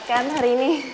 nggak tepat kan hari ini